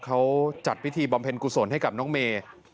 เขาจัดพิธีบำเพ็ญกุศลให้กับน้องเมย์